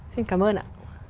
xin cảm ơn ạ